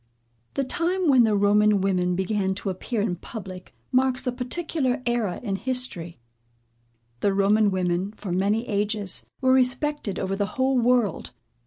The time when the Roman women began to appear in public, marks a particular era in history. The Roman women, for many ages, were respected over the whole world.